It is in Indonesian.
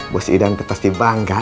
bos idante pasti bangga sih